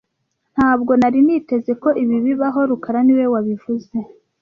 Ntabwo nari niteze ko ibi bibaho rukara niwe wabivuze